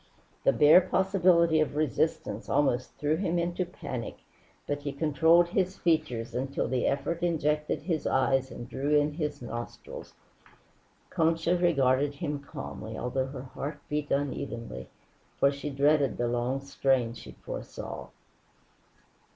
The bare possibility of resistance almost threw him into panic, but he controlled his features until the effort injected his eyes and drew in his nostrils. Concha regarded him calmly, although her heart beat unevenly, for she dreaded the long strain she foresaw.